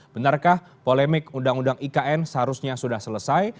benarkah polemik undang undang ikn seharusnya sudah selesai